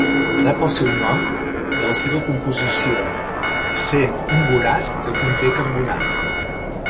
Rep el seu nom de la seva composició, sent un borat que conté carbonat.